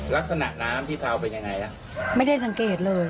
ลักษณะน้ำที่เผาเป็นยังไงฮะไม่ได้สังเกตเลย